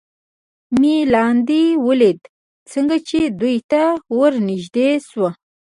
مې لاندې ولید، څنګه چې دوی ته ور نږدې شو.